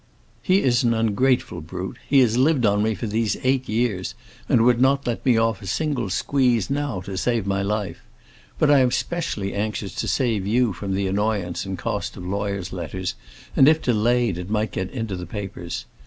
He is an ungrateful brute; he has lived on me for these eight years, and would not let me off a single squeeze now to save my life. But I am specially anxious to save you from the annoyance and cost of lawyers' letters; and if delayed, it might get into the papers.